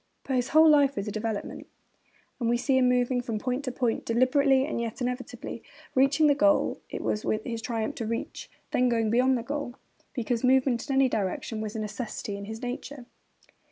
But his whole life was a development; and we see him moving from point to point, deliberately, and yet inevitably; reaching the goal which it was his triumph to reach, then going beyond the goal, because movement in any direction was a necessity of his nature.